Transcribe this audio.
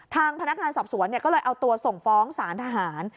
ทางพนักงานสอบสวนก็เลยเอาตัวส่งฟ้องสารทหาร